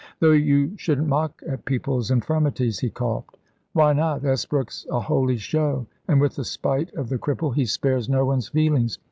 "Though you shouldn't mock at people's infirmities," he coughed. "Why not? Esbrook's a holy show, and with the spite of the cripple, he spares no one's feelings.